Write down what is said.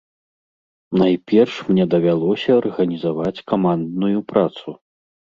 Найперш мне давялося арганізаваць камандную працу.